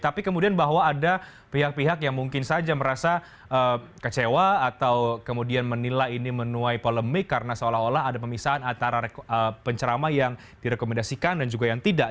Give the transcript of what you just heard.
tapi kemudian bahwa ada pihak pihak yang mungkin saja merasa kecewa atau kemudian menilai ini menuai polemik karena seolah olah ada pemisahan antara penceramah yang direkomendasikan dan juga yang tidak